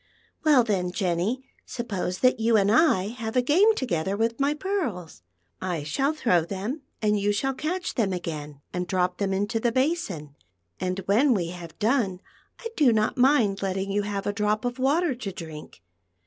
Well, then, Jenn\ , suppose that you and I have a game together with my pearls. I shall throw them, and you shall catcii them again and drop them into the basin ; and when we have done, I do not mind letting you have a drop lo THE PEARL FOONTAIN. of water to drink.